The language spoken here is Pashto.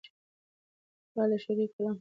خیال د شعري کلام قدرت زیاتوي.